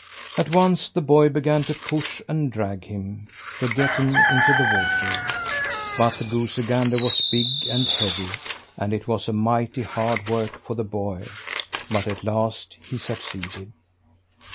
At once the boy began to push and drag him, to get him into the water, but the goosey gander was big and heavy, and it was mighty hard work for the boy; but at last he succeeded.